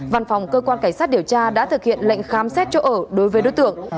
văn phòng cơ quan cảnh sát điều tra đã thực hiện lệnh khám xét chỗ ở đối với đối tượng